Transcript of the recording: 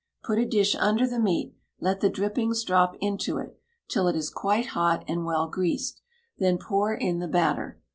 Put a dish under the meat; let the drippings drop into it, till it is quite hot and well greased; then pour in the batter.